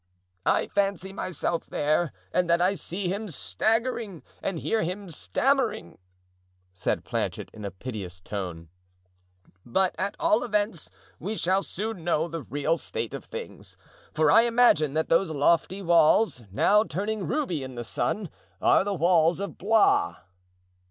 "I fancy myself there and that I see him staggering and hear him stammering," said Planchet, in a piteous tone, "but at all events we shall soon know the real state of things, for I imagine that those lofty walls, now turning ruby in the setting sun, are the walls of Blois."